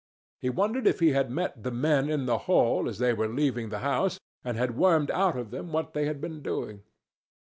He wondered if he had met the men in the hall as they were leaving the house and had wormed out of them what they had been doing.